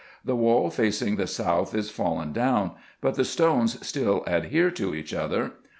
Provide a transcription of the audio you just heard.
The wall facing the south is fallen down, but the stones still adhere to each other.